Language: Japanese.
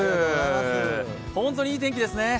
本当にいい天気ですね。